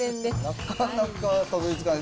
なかなかたどりつかない。